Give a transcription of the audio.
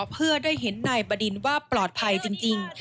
เพื่อได้เห็นนายบดินว่าปลอดภัยจริง